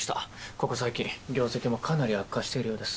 ここ最近業績もかなり悪化しているようです。